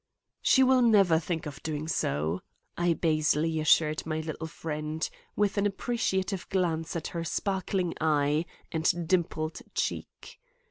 "She will never think of doing so," I basely assured my little friend, with an appreciative glance at her sparkling eye and dimpled cheek.